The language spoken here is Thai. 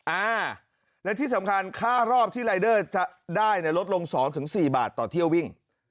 อ่าและที่สำคัญค่ารอบที่รายเดอร์จะได้ลดลง๒๔บาทต่อเที่ยววิ่ง